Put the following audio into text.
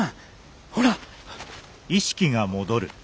ほら！